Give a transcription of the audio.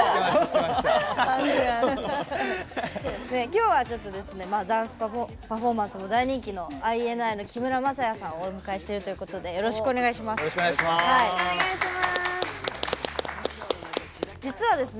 今日は、ちょっとダンスパフォーマンスも大人気のＩＮＩの木村柾哉さんをお迎えしているということでよろしくお願いします。